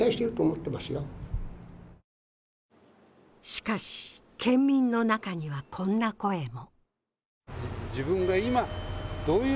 しかし、県民の中にはこんな声も。